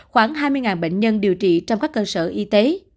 khoảng hai mươi bệnh nhân điều trị trong các cơ sở y tế